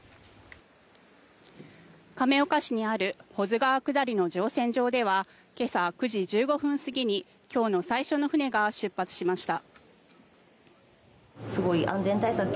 亀岡市にある保津川下りの乗船場では今朝９時１５分過ぎに今日の最初の船が出発しました。